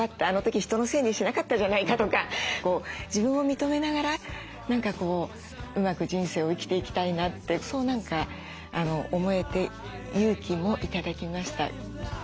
あの時人のせいにしなかったじゃないか」とか自分を認めながら何かうまく人生を生きていきたいなってそう何か思えて勇気も頂きました。